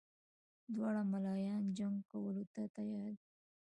دواړه ملایان جنګ کولو ته تیار دي.